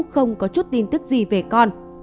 không có chút tin tức gì về con